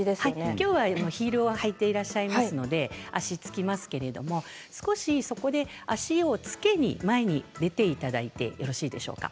きょうはヒールを履いていらっしゃいますので足がつきますけれど少しそこで足をつけに前に出ていただいてよろしいでしょうか。